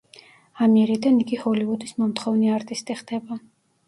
ამიერიდან იგი ჰოლივუდის მომთხოვნი არტისტი ხდება.